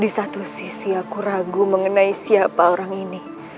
di satu sisi aku ragu mengenai siapa orang ini